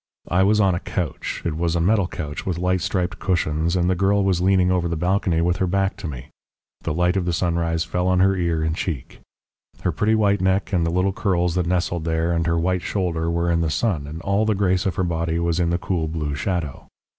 I was on a couch it was a metal couch with light striped cushions and the girl was leaning over the balcony with her back to me. The light of the sunrise fell on her ear and cheek. Her pretty white neck and the little curls that nestled there, and her white shoulder were in the sun, and all the grace of her body was in the cool blue shadow.